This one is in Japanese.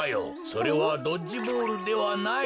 それはドッジボールではない。